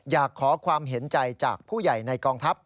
อยากขอความเห็นใจจากผู้ใหญ่ในกองทัพ